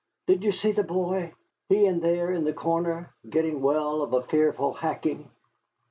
Did you see the boy? He's in there, in the corner, getting well of a fearful hacking.